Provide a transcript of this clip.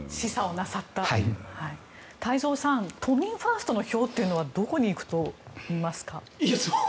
太蔵さん都民ファーストの票というのはどこに行くと見ますか？